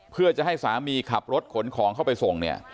เพื่อจะให้สามีขับรถขนของเข้าไปส่งเนี่ย